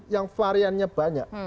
yang variannya banyak